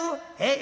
「え？」。